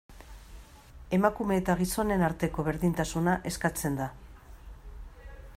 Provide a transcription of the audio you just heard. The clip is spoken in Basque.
Emakume eta gizonen arteko berdintasuna eskatzen da.